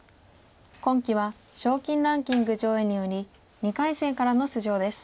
今期は賞金ランキング上位により２回戦からの出場です。